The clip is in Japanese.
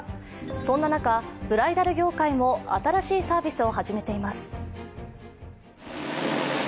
そんな中、ブライダル業界も新しいサービスを始めています。